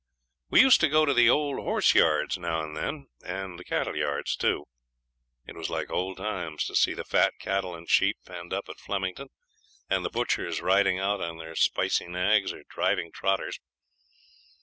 We used to go to the horse yards now and then, and the cattle yards too. It was like old times to see the fat cattle and sheep penned up at Flemington, and the butchers riding out on their spicy nags or driving trotters.